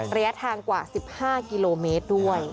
ระยะทางกว่า๑๕กิโลเมตรด้วย